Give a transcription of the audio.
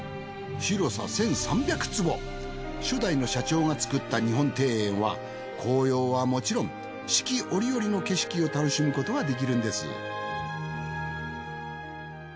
広さ１，３００坪初代の社長が造った日本庭園は紅葉はもちろん四季折々の景色を楽しむことができるんです。